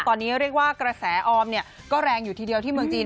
ตอนนี้เรียกว่ากระแสออมก็แรงอยู่ทีเดียวที่เมืองจีน